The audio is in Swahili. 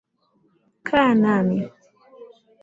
Kaa nami.